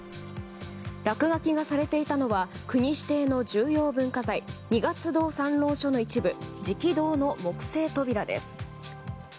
落書きがされていたのは国指定の重要文化財二月堂参籠所の一部食堂の木製扉です。